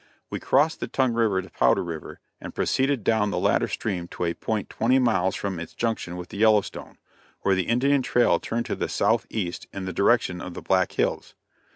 We crossed the Tongue river to Powder river, and proceeded down the latter stream to a point twenty miles from its junction with the Yellowstone, where the Indian trail turned to the southeast in the direction of the Black Hills.